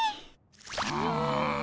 うん。